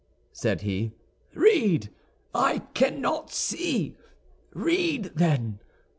said he, "read! I cannot see. Read, then!